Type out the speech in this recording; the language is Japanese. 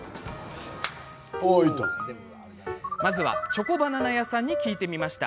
まずはチョコバナナ屋さんに聞いてみました。